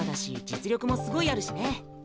実力もすごいあるしね。